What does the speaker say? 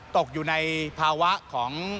ตกอยู่ในภาวะของ